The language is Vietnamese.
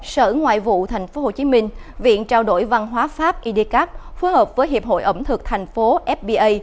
sở ngoại vụ tp hcm viện trao đổi văn hóa pháp idcap phối hợp với hiệp hội ẩm thực tp fba